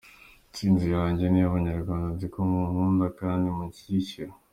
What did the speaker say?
Instinzi yanjye ni iy'abanyarwanda nziko munkunda kandi munshyigikira.